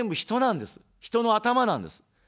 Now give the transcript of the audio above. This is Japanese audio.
人の頭なんです。